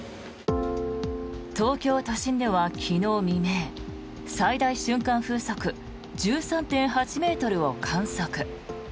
東京都心では昨日未明最大瞬間風速１３．８ｍを観測。